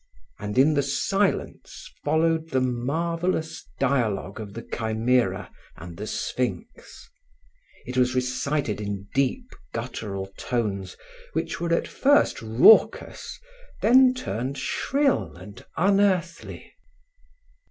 And in the silence followed the marvelous dialogue of the Chimera and the Sphinx; it was recited in deep guttural tones which were at first raucous, then turned shrill and unearthly.